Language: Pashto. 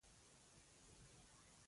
چیني نه پرېښودل چې پسه ته لاس ور وړي.